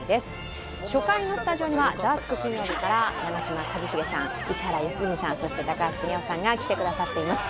初回のスタジオには『ザワつく！金曜日』から長嶋一茂さん石原良純さんそして高橋茂雄さんが来てくださっています。